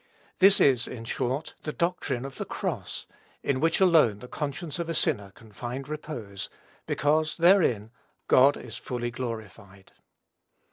This is, in short, the doctrine of the cross, in which alone the conscience of a sinner can find repose, because, therein, God is fully glorified.